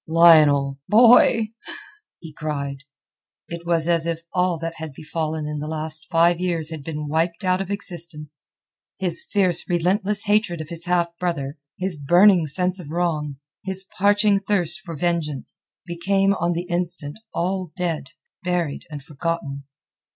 "Lionel...Boy!" he cried. It was as if all that had befallen in the last five years had been wiped out of existence. His fierce relentless hatred of his half brother, his burning sense of wrong, his parching thirst for vengeance, became on the instant all dead, buried, and forgotten.